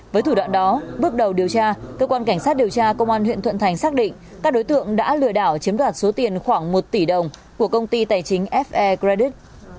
với thủ đoạn đó bước đầu điều tra cơ quan cảnh sát điều tra công an huyện thuận thành xác định các đối tượng đã lừa đảo chiếm đoạt số tiền khoảng một tỷ đồng của công ty tài chính fe gredit